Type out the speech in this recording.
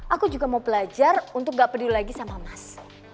aku juga mau belajar untuk gak peduli lagi sama mas